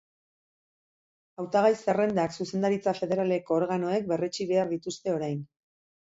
Hautagai-zerrendak zuzendaritza federaleko organoek berretsi behar dituzte orain.